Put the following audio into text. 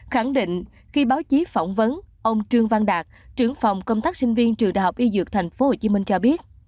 khẳng định khi báo chí phỏng vấn ông trương văn đạt trưởng phòng công tác sinh viên trường đại học y dược thành phố hồ chí minh cho biết